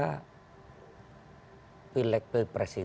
pilek pilek pres itu tetap tidak boleh berhenti